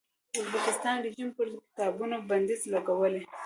ازبکستان رژیم پر کتابونو بندیز لګولی.